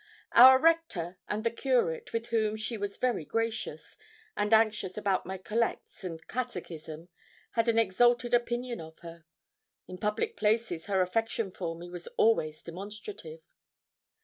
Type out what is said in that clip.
Our rector and the curate, with whom she was very gracious, and anxious about my collects and catechism, had an exalted opinion of her. In public places her affection for me was always demonstrative.